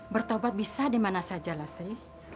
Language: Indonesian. bertobat bisa dimana saja lastri